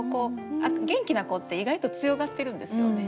元気な子って意外と強がってるんですよね。